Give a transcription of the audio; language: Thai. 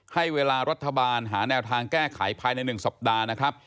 ให้เวลารัฐบาลหาแนวทางแก้ไขภายใน๑สัปดาห์นะครับ